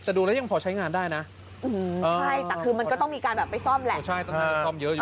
แต่ดูแล้วยังพอใช้งานได้นะใช่แต่คือมันก็ต้องมีการไปซ่อมแหละ